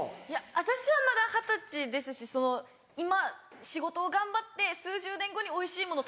私はまだ二十歳ですし今仕事を頑張って数十年後においしいもの